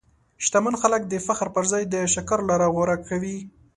شتمن خلک د فخر پر ځای د شکر لاره غوره کوي.